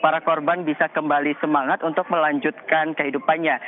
para korban bisa kembali semangat untuk melanjutkan kehidupannya